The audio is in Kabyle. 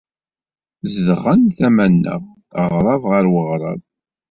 Zedɣen tama-nneɣ, aɣrab ɣer weɣrab.